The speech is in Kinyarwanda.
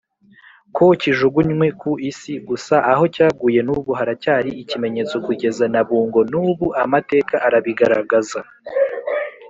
ko kijugunywe ku isi gusa aho cyaguye nubu haracyari ikimenyetso kugeza nabungo nubu amateka arabigaragaza.